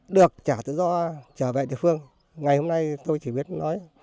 được trả tự do trở về địa phương ngày hôm nay tôi chỉ biết nói